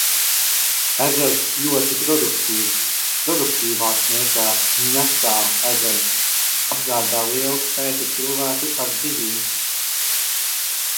Ezers ļoti produktīvs, produktīvāks nekā Ņasaa ezers, apgādā lielu skaitu cilvēku ar zivīm.